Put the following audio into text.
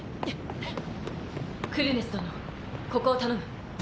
クリュネス殿ここを頼む。